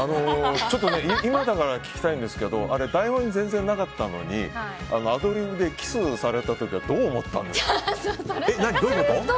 ちょっとね今だから聞きたいんですけど台本に全然なかったのにアドリブでキスされた時どういうこと？